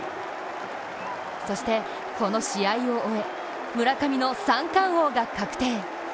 そして、この試合を終え、村上の三冠王が確定。